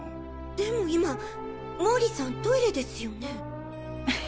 でも今毛利さんトイレですよね？